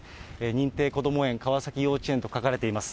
認定こども園川崎幼稚園と書かれています。